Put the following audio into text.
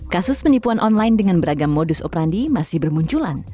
kasus penipuan online dengan beragam modus operandi masih bermunculan